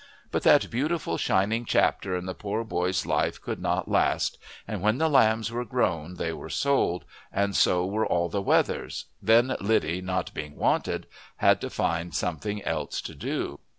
But that beautiful shining chapter in the poor boy's life could not last, and when the lambs were grown they were sold, and so were all the wethers, then Liddy, not being wanted, had to find something else to do.